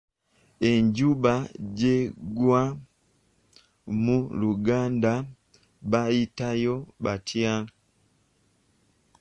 Enjuba gy'egwa mu Luganda bayitayo batya?